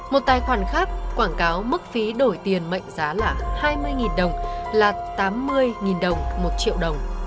một tài khoản khác quảng cáo mức phí đổi tiền mệnh giá là hai mươi đồng là tám mươi đồng một triệu đồng